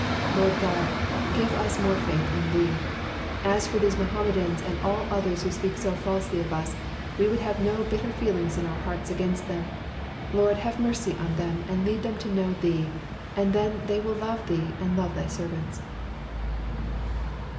Lord God, give us more faith in thee! As for these Mohammedans and all others who speak so falsely of us, we would have no bitter feelings in our hearts against them. Lord, have mercy on them, and lead them to know thee, and then they will love thee and love thy servants."